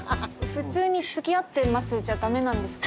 普通につきあってますじゃダメなんですか？